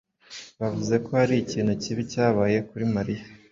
Bavuze ko hari ikintu kibi cyabaye kuri Mariya.